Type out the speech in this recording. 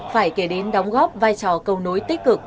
phải kể đến đóng góp vai trò cầu nối tích cực